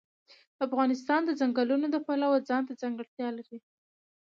افغانستان د ځنګلونو د پلوه ځانته ځانګړتیا لري.